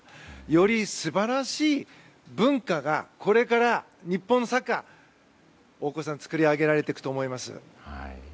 より素晴らしい文化がこれから日本のサッカー作り上げられていくと思います。